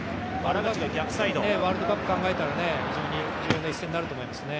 ワールドカップ考えたら非常に重要な一戦になると思いますね。